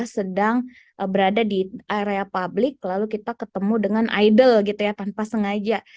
sedang berada di area publik lalu kita ketemu dengan idol gitu ya tanpa sengaja